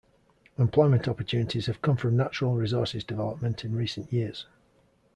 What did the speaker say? Employment opportunities have come from natural resources development in recent years.